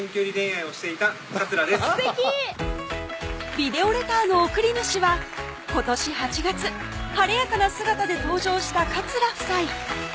ビデオレターの送り主は今年８月晴れやかな姿で登場した桂夫妻